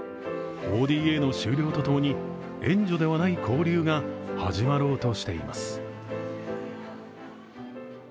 ＯＤＡの終了とともに、援助ではない交流が始まろうとしています。